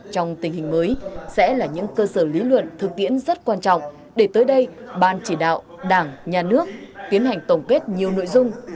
trong tình hình mới sẽ là những cơ sở lý luận thực tiễn rất quan trọng để tới đây ban chỉ đạo đảng nhà nước tiến hành tổng kết nhiều nội dung